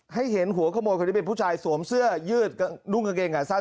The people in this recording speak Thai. เห็นหัวขโมยคนนี้เป็นผู้ชายสวมเสื้อยืดนุ่งกางเกงขาสั้น